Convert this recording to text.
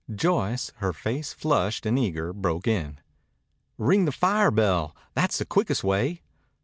Joyce, her face flushed and eager, broke in. "Ring the fire bell. That's the quickest way."